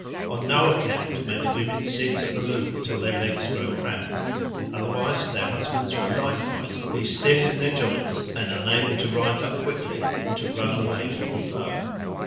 On no account may the women sit at the loom till their legs grow cramped, otherwise their husbands will likewise be stiff in their joints and unable to rise up quickly or to run away from the foe.